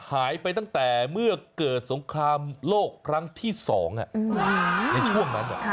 หายไปตั้งแต่เมื่อเกิดสงครามโลกครั้งที่๒ในช่วงนั้น